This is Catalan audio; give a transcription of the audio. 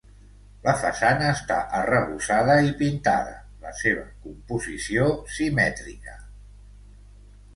La façana està arrebossada i pintada, la seva composició simètrica.